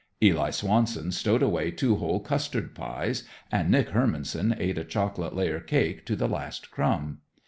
Eli Swanson stowed away two whole custard pies, and Nick Hermanson ate a chocolate layer cake to the last crumb.